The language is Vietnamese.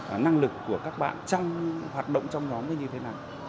đánh giá được là năng lực của các bạn trong hoạt động trong nhóm như thế nào